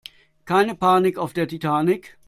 Keine Panik auf der Titanic!